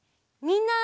みんな！